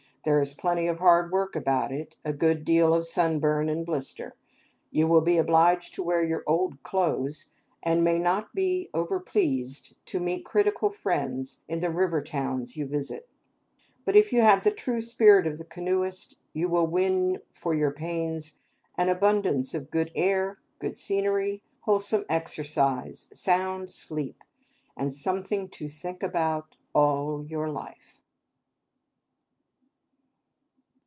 There is plenty of hard work about it, a good deal of sunburn and blister. You will be obliged to wear your old clothes, and may not be overpleased to meet critical friends in the river towns you visit. But if you have the true spirit of the canoeist, you will win for your pains an abundance of good air, good scenery, wholesome exercise, sound sleep, and something to think about all your life.